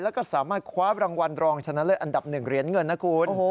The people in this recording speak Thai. แล้วก็สามารถคว้ารางวัลรองชนะเลิศอันดับ๑เหรียญเงินนะคุณ